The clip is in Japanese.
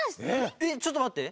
えっちょっとまって。